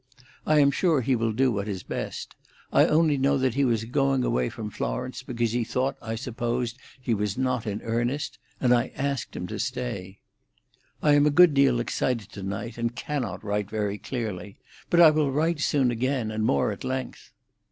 I am sure he will do what is best. I only know that he was going away from Florence because he thought I supposed he was not in earnest, and I asked him to stay. "I am a good deal excited to night, and cannot write very clearly. But I will write soon again, and more at length.